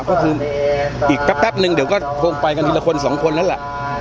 ก็คืออีกแป๊บนึงเดี๋ยวก็คงไปกันทีละคนสองคนแล้วล่ะ